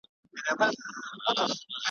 ملالۍ مي سي ترسترګو ګل یې ایښی پر ګرېوان دی ,